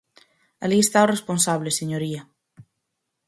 Alí está o responsable, señoría.